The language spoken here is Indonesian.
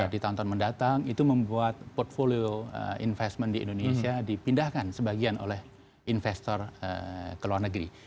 di tahun tahun mendatang itu membuat portfolio investment di indonesia dipindahkan sebagian oleh investor ke luar negeri